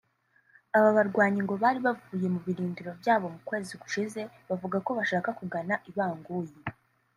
Aba barwanyi ngo bari bavuye mu birindiro byabo mu kwezi gushize bavuga ko bashaka kugana i Bangui